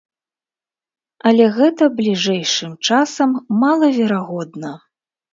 Але гэта бліжэйшым часам малаверагодна.